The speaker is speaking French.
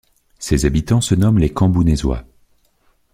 Ses habitants se nomment les Cambounésois.